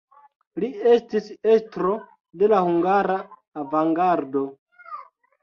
Li estis estro de la hungara avangardo.